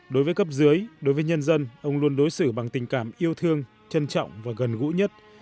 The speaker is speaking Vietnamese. đối với cấp dưới đối với nhân dân ông luôn đối xử bằng tình cảm yêu thương trân trọng và gần gũi nhất